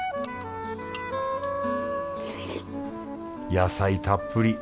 野菜たっぷり。